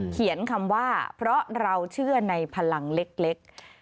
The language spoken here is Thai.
เขียนคำว่าเพราะเราเชื่อในพลังเล็ก